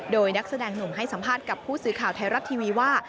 โดยนักแสดงหนุ่มให้สัมภาษณ์กับผู้สื่อข่าวไทยรัฐทีวีว่า